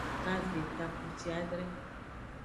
Kave takpuciadre.